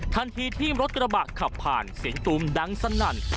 ทันทีที่รถกระบะขับผ่านเสียงตูมดังสนั่น